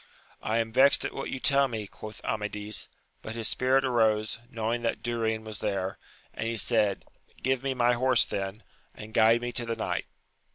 I am vexed at what you tell me, quoth Amadis ; but his spirit arose, knowing that Durin was there, and he said, Give me my horse then, and guide me to the knight.